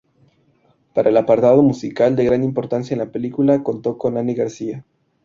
Para el apartado musical, de gran importancia en la película, contó con Nani García.